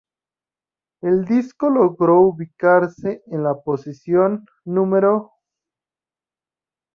El disco logró ubicarse en la posición No.